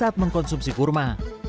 untuk mengkonsumsi kurma